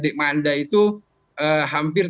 dik manda itu hampir